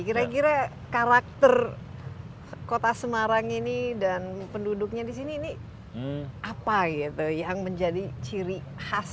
kira kira karakter kota semarang ini dan penduduknya di sini ini apa gitu yang menjadi ciri khas